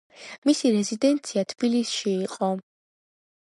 მისი რეზიდენცია თბილისში იყო.